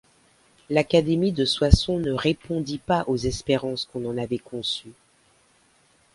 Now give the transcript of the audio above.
L’Académie de Soissons ne répondit pas aux espérances qu’on en avait conçues.